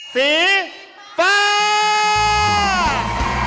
สีฟ้า